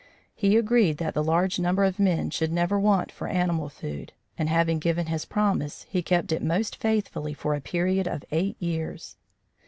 He agreed that the large number of men should never want for animal food, and, having given his promise, he kept it most faithfully for a period of eight years.